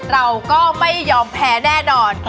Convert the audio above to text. เราก็ไม่ยอมแพ้แน่นอน